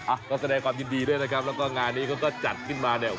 อ่ะก็แสดงความยินดีด้วยนะครับแล้วก็งานนี้เขาก็จัดขึ้นมาเนี่ย